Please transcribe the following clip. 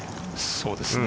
そうですね。